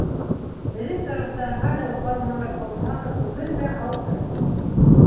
Беҙҙең тарафтан хәл-әхүәл һорай ҡалһағыҙ, бөгөн дә сау-сәләмәтбеҙ.